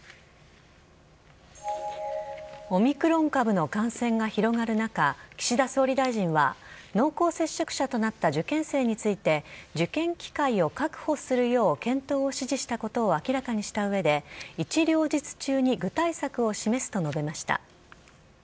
オミクロン株の感染が広がる中、岸田総理大臣は、濃厚接触者となった受験生について、受験機会を確保するよう検討を指示したことを明らかにしたうえで、一両日中に具体策を示すと述べました。